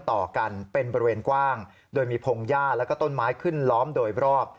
ต่อกันเป็นบริเวณกว้างโดยมีพงหญ้าแล้วก็ต้นไม้ขึ้นล้อมโดยรอบ